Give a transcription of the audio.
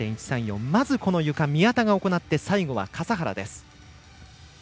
まず、このゆか宮田が行って最後は笠原です。